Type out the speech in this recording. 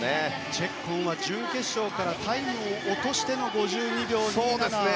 チェッコンは準決勝からタイムを落としての５２秒２７。